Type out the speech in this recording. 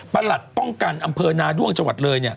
ประหลัดป้องกันอำเภอนาด้วงจวัดเรย์